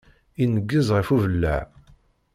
Ineggez ɣef ubellaɛ.